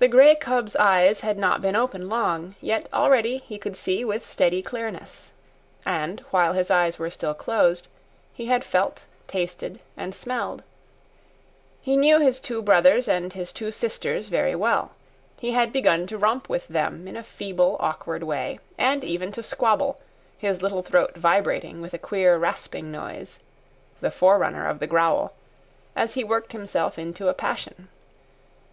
The grey cub's eyes had not been open long, yet already he could see with steady clearness. And while his eyes were still closed, he had felt, tasted, and smelled. He knew his two brothers and his two sisters very well. He had begun to romp with them in a feeble, awkward way, and even to squabble, his little throat vibrating with a queer rasping noise (the forerunner of the growl), as he worked himself into a passion.